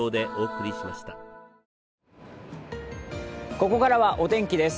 ここからはお天気です。